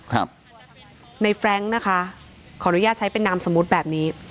ครับในแฟรงค์นะคะขออนุญาตใช้เป็นนามสมมุติแบบนี้